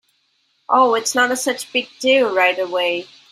Oh, it’s not such a big deal right away.